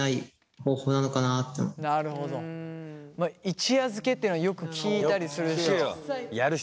一夜漬けっていうのはよく聞いたりするし。